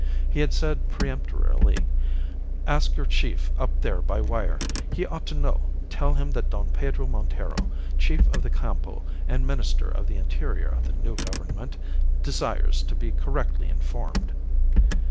He had said peremptorily, 'Ask your chief up there by wire, he ought to know; tell him that Don Pedro Montero, Chief of the Campo and Minister of the Interior of the new Government, desires to be correctly informed.